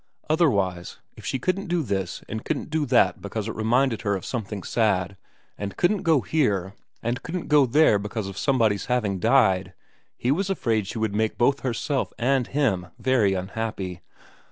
Otherwise, if she couldn't do this and couldn't do that because it reminded her of something sad, and couldn't go here and couldn't go there because of somebody's having died, he was afraid she would make both herself and him very unhappy.